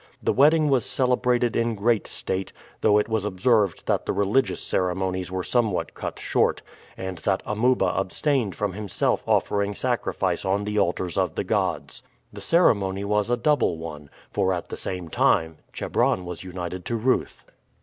The wedding was celebrated in great state, though it was observed that the religious ceremonies were somewhat cut short, and that Amuba abstained from himself offering sacrifice on the altars of the gods. The ceremony was a double one, for at the same time Chebron was united to Ruth.